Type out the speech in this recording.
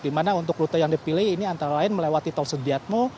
di mana untuk rute yang dipilih ini antara lain melewati tol sediatmo